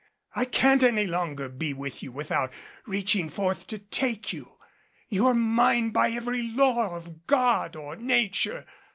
I can't any longer be with you without reaching forth to take you ... you're mine by every law of God or Nature.